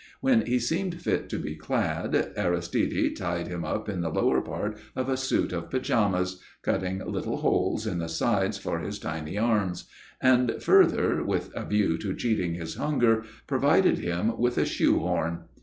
When he seemed fit to be clad Aristide tied him up in the lower part of a suit of pyjamas, cutting little holes in the sides for his tiny arms; and, further, with a view to cheating his hunger, provided him with a shoe horn.